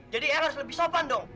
jadi eyang harus lebih sopan dong